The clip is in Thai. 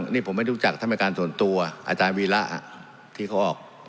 นี่ผมไม่รู้จักท่านประการส่วนตัวอาจารย์วีระที่เขาออก